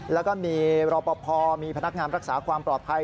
แล้วก็มีรอปภมีพนักงานรักษาความปลอดภัย